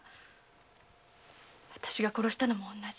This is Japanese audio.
私が殺したも同じ。